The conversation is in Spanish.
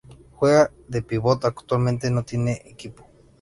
Juega de pívot actualmente no tiene equipo.